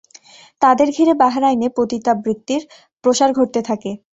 তাদের ঘিরে বাহরাইনে পতিতাবৃত্তির প্রসার ঘটতে থাকে।